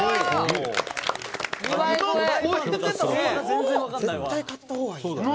「絶対買った方がいいな」